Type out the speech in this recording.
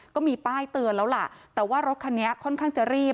ก็มีป้ายเตือนแล้วล่ะแต่ว่ารถคันนี้ค่อนข้างจะรีบ